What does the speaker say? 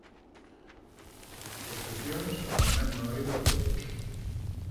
Restricións tamén no eido deportivo.